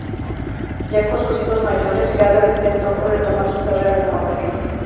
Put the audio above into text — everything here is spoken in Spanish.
Ya con sus hijos mayores, Heather intentó retomar su carrera como actriz.